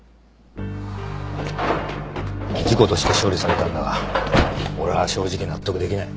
事故として処理されたんだが俺は正直納得できない。